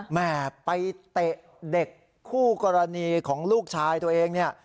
มีไปเตะเด็กคู่กรณีของลูกชายตัวเอง